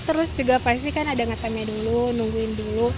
terus juga pasti kan ada ngetemnya dulu nungguin dulu